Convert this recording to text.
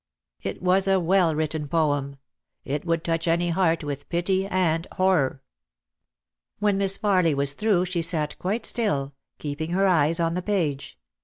It was a well written poem. It would touch any heart with pity and horror. When Miss Farly was through she sat quite still, keep ing her eyes on the page.